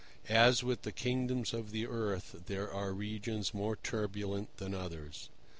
As with the kingdoms of the earth, there are regions more turbulent than others.